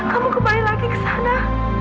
kamu kembali lagi ke sana